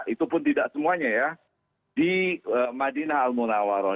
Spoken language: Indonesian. itu pun tidak semuanya ya di madinah al munawarro